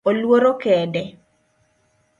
Oluoro kede